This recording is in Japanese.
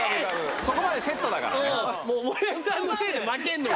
そこまでセットだからね。